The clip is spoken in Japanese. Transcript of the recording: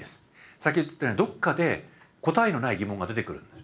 先ほど言ったようにどっかで答えのない疑問が出てくる。